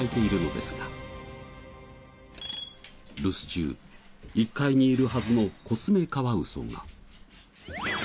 留守中１階にいるはずのコツメカワウソが。